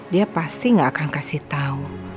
dia pasti gak akan kasih tahu